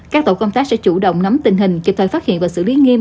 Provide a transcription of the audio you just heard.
các tổ công tác sẽ chủ động nắm tình hình kịp thời phát hiện và xử lý nghiêm